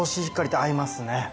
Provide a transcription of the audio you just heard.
合いますね。